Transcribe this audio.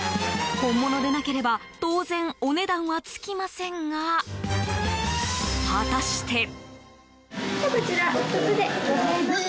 本物でなければ当然、お値段はつきませんが果たして。